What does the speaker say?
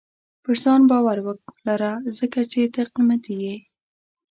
• پر ځان باور ولره، ځکه چې ته قیمتي یې.